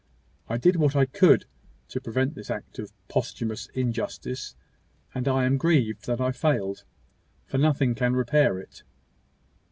"I did what I could to prevent this act of posthumous injustice; and I am grieved that I failed; for nothing can repair it.